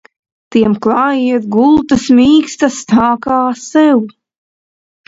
Tiem klājiet gultas mīkstas tā kā sev!